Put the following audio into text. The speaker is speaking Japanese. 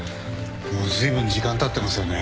もうずいぶん時間たってますよね。